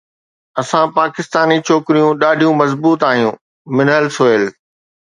اسان پاڪستاني ڇوڪريون ڏاڍيون مضبوط آهيون منهل سهيل